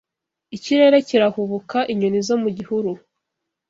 Ikirere kirahubuka, Inyoni zo mu gihuru